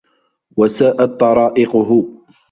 وَسَاءَتْ طَرَائِقُهُ